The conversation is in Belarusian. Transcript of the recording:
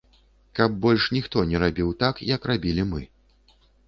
Каб больш ніхто не рабіў так, як рабілі мы.